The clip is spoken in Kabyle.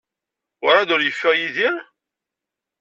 Werɛad ur yeffiɣ Yidir?